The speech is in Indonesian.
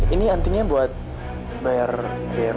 ini antingnya buat bayar bayar